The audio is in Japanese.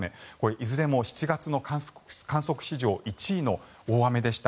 いずれも７月の観測史上１位の大雨でした。